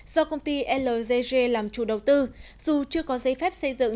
do công ty lgg làm chủ đầu tư dù chưa có giấy phép xây dựng